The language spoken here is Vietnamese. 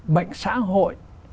bệnh xã hội